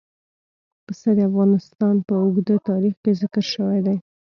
پسه د افغانستان په اوږده تاریخ کې ذکر شوی دی.